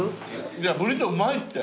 いやブリトーうまいって。